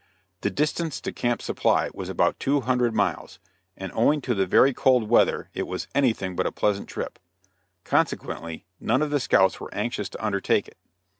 The distance to Camp Supply was about two hundred miles, and owing to the very cold weather it was anything but a pleasant trip. Consequently none of the scouts were anxious to undertake it.